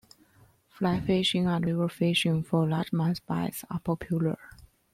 Fly fishing and river fishing for largemouth bass are popular.